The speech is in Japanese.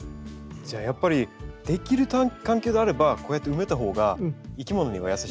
じゃあやっぱりできる環境があればこうやって埋めたほうがいきものには優しい。